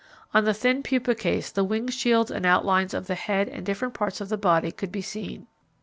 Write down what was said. On the thin pupa case the wing shields and outlines of the head and different parts of the body could be seen.